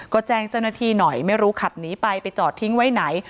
ก็แจ้งเจ้าหน้าที่หน่อยไม่รู้ขับหนีไปไปจอดทิ้งไว้ไหน